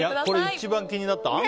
これ、一番気になった。